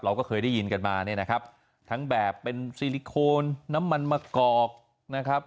เราก็เคยได้ยินกันมาทั้งแบบเป็นซิลิโคนน้ำมันมะกอก